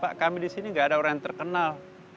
pak kami disini gak ada orang yang terkenal